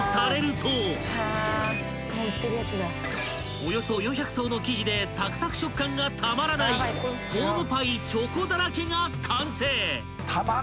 ［およそ４００層の生地でサクサク食感がたまらないホームパイチョコだらけが完成！］